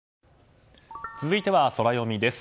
続いてはソラよみです。